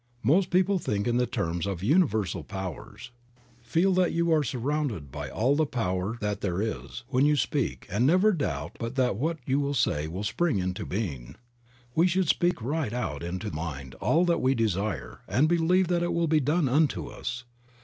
Most people think in the terms of universal powers. Feel that you are sur rounded by all the power that there is when you speak and never doubt but that what you say will spring into being. We should speak right out into mind all that we desire, and believe that it will be done unto us.